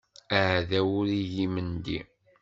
Aɛdaw ur igi imendi.